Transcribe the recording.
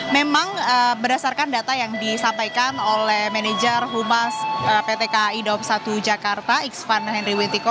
memang berdasarkan data yang disampaikan oleh manajer humas pt kai dua puluh satu jakarta xvan henry wintiko